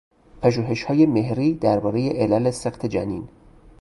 پژوهشهای مهری دربارهی علل سقط جنین